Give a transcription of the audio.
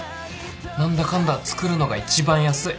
何だかんだ作るのが一番安い。